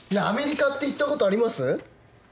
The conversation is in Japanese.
アメリカって行ったことあります？